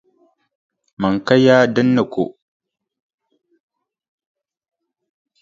Mani ka yaa din ni ko.